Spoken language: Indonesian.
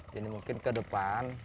jadi mungkin ke depan